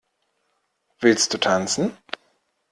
Willst du tanzen?